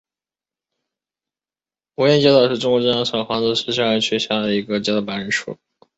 闻堰街道是中国浙江省杭州市萧山区下辖的一个街道办事处。